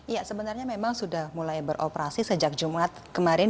ya sebenarnya memang sudah mulai beroperasi sejak jumat kemarin